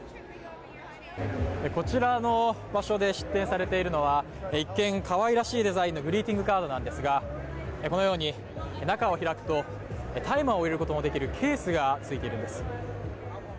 こちらの場所で出展されているのは一見かわいらしいデザインのグリーティングカードなんですがこのように中を開くと大麻を入れることができるケースが付いてるんです。